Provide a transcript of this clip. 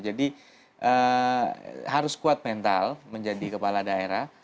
jadi harus kuat mental menjadi kepala daerah